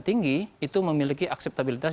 tinggi itu memiliki akseptabilitas